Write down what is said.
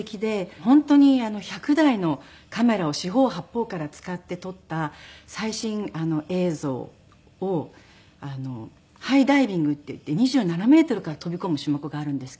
本当に１００台のカメラを四方八方から使って撮った最新映像をハイダイビングっていって２７メートルから飛び込む種目があるんですけれども。